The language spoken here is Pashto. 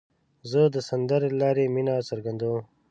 زه د سندرې له لارې مینه څرګندوم.